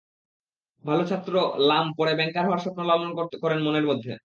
ভালো ছাত্র লাম পরে ব্যাংকার হওয়ার স্বপ্ন লালন করেন মনের মধ্যে।